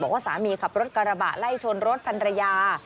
บอกว่าสามีขับรถกระบะไล่ชนรถพันรยา